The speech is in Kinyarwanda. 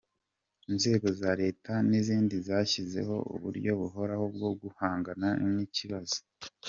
Inzego za leta n’idini zashyizeho uburyo buhoraho bwo guhangana n’iki kibazo.